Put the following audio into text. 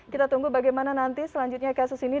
kita tunggu bagaimana nanti selanjutnya kasus ini